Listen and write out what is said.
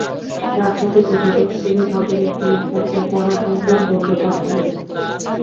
তাঁর সাথে যোগাযোগ ছিল কাজি নজরুল ইসলাম ও তারাশঙ্কর বন্দ্যোপাধ্যায়ের।